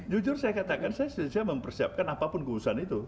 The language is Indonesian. jujur saya katakan saya mempersiapkan apapun keusuhan itu